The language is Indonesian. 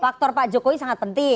faktor pak jokowi sangat penting